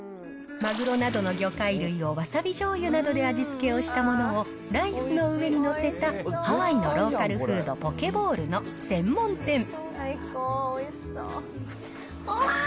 マグロなどの魚介類を、わさびじょうゆなどで味付けしたものをライスの上に載せたハワイのローカルフード、ポケボウルの専門店。